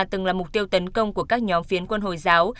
từng là mục tiêu tấn công của các nhóm phiến quân hồi giáo